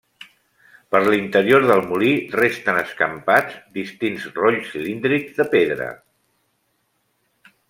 Per l'interior del molí resten escampats distints rolls cilíndrics de pedra.